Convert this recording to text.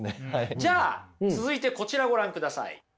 じゃあ続いてこちらをご覧ください。